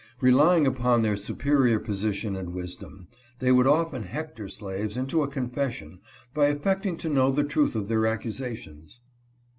Relying upon their superior position and wisdom, they would often hector slaves into a confession by affect ing to know the truth of their accusations.